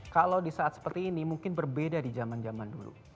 kalau di saat seperti ini mungkin berbeda di zaman zaman dulu